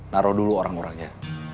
naruh dulu orang orangnya